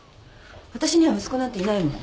わたしには息子なんていないもの。